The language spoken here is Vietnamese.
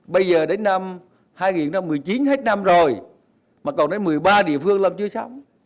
bây giờ đến năm hai nghìn một mươi chín hết năm rồi mà còn đến một mươi ba địa phương lâm chưa xong